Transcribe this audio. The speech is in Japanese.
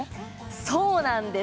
そうなんです。